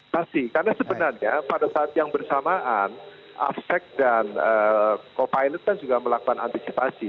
pasti karena sebenarnya pada saat yang bersamaan afsec dan co pilot kan juga melakukan antisipasi